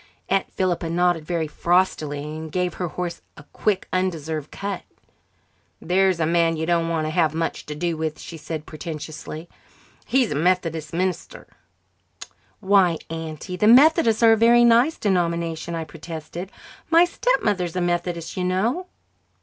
Aunt Philippa nodded very frostily and gave her horse a quite undeserved cut. "There's a man you don't want to have much to do with," she said portentously. "He's a Methodist minister." "Why, Auntie, the Methodists are a very nice denomination," I protested. "My stepmother is a Methodist, you know."